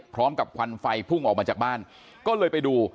พร้อมกับควันไฟพุ่งออกมาจากบ้านก็เลยไปดู